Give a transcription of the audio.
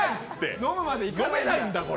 飲めないんだ、これ。